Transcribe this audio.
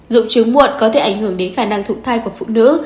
dụng trứng muộn có thể ảnh hưởng đến khả năng thụ thai của phụ nữ